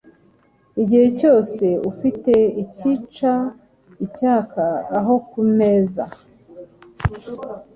Igihe cyose ufite icyica icyaka aho ku meza